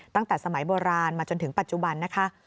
ตั้งแต่สมัยโบราณมาจนถึงปัจจุบันนะคะ